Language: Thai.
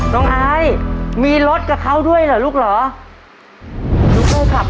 น้องไอ้มีรถกับเค้าด้วยหรือลูกหรอ